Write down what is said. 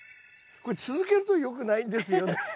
これ続けるとよくないんですよね。